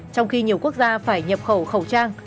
trong khi nhiều quốc gia phải nhập khẩu khẩu trang